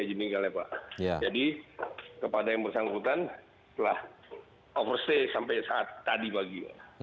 jadi kepada yang bersangkutan telah overstay sampai saat tadi pagi